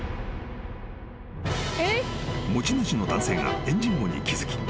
［持ち主の男性がエンジン音に気付き